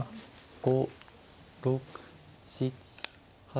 ５６７８。